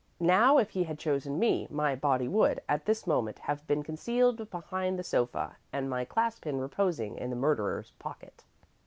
Now if he had chosen me, my body would, at this moment, have been concealed behind the sofa, and my class pin reposing in the murderer's pocket."